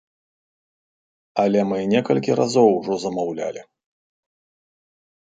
Але мы некалькі разоў ужо замаўлялі.